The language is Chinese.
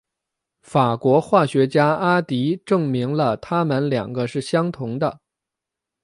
法国化学家阿迪证明了它们两个是相同的。